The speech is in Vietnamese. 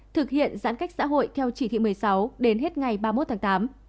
thực hiện giãn cách xã hội theo chỉ thị một mươi sáu đến hết ngày ba mươi một tháng tám